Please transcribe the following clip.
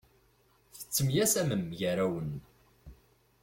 Tettemyasamem gar-awen.